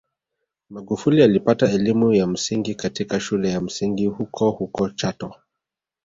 Magufuli alipata elimu ya msingi katika shule ya msingi hukohuko Chato